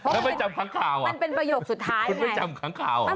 แล้วไม่จำครั้งข่าวอ่ะคุณไม่จำครั้งข่าวอ่ะนี่ฉันไม่ได้ย้ำไงมันเป็นประโยคสุดท้าย